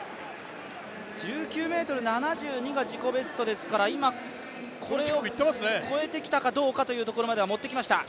１９ｍ７２が自己ベストですから、今、これを越えてきたかどうかというところまでは持ってきました。